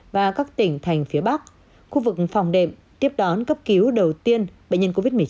và các tỉnh thành phía bắc khu vực phòng đệm tiếp đón cấp cứu đầu tiên bệnh nhân covid một mươi chín